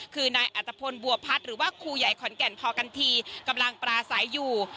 คือนายอัตภพลบัวพัฒน์หรือว่าครูใหญ่ขอนแก่นพอกันทีกำลังปราศัยอยู่